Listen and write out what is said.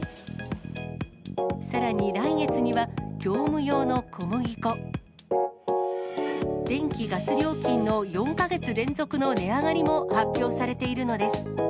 さらに来月には、業務用の小麦粉、電気、ガス料金の４か月連続の値上がりも発表されているのです。